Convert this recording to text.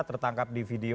tertangkap di video